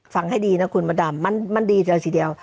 ฟังให้ดีนะคุณมาดามมันดีแต่สิ่งเดียว